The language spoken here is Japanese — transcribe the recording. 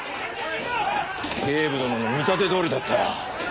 警部殿の見立てどおりだったよ。